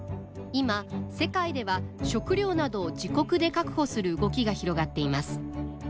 今世界では食料などを自国で確保する動きが広がっています。